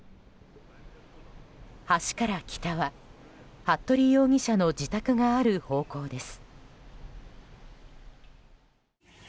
橋から北は、服部容疑者の自宅がある方向です。